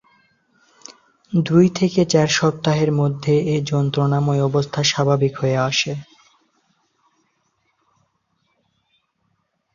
দুই থেকে চার সপ্তাহের মধ্যে এ যন্ত্রণাময় অবস্থা স্বাভাবিক হয়ে আসে।